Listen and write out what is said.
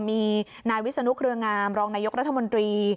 มีนายวิศนุเครืองามรองนายกรัฐมนตรี